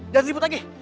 jangan ribut lagi